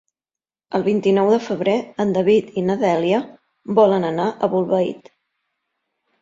El vint-i-nou de febrer en David i na Dèlia volen anar a Bolbait.